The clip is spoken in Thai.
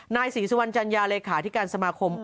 นายศรีสุวรรณจัญญาเลขาธิการสมาคม